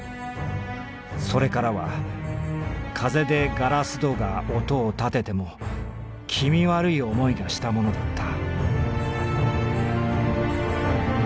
それからは風でガラス戸が音をたてても気味悪いおもいがしたものだった」。